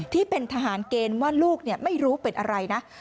ที่เป็นทหารเกณฑ์ว่าลูกไม่รู้เป็นอะไรนะ